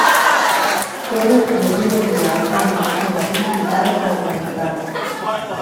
Torre residencial amb la façana principal a tramuntana.